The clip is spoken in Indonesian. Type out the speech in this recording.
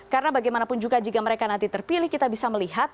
karena bagaimanapun juga jika mereka nanti terpilih kita bisa melihat